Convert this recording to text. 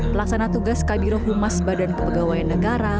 pelaksana tugas kabiro humas badan kepegawaian negara